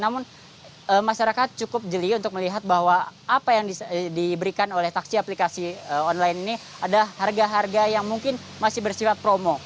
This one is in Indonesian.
namun masyarakat cukup jeli untuk melihat bahwa apa yang diberikan oleh taksi aplikasi online ini ada harga harga yang mungkin masih bersifat promo